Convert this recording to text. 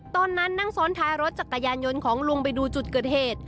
ตอนนั้นนั่งซ้อนท้ายรถจักรยานยนต์ของลุงไปดูจุดเกิดเหตุ